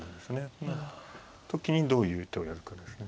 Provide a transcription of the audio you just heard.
この時にどういう手をやるかですね。